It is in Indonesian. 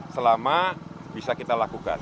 selama bisa kita lakukan